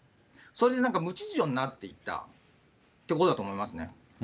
そういうなんか、無秩序になっていったということだと思いますね。